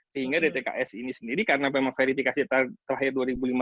sehingga dtks ini sendiri karena memang verifikasi terakhir dua ribu lima belas